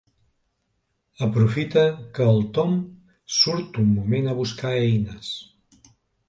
Aprofita que el Tom surt un moment a buscar eines.